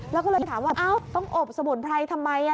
แล้วก็เลยถามว่าต้องอบสมุนไพรทำไม